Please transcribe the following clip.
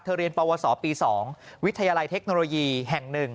เรียนปวสปี๒วิทยาลัยเทคโนโลยีแห่ง๑